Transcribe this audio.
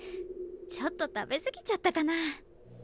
ちょっと食べ過ぎちゃったかな？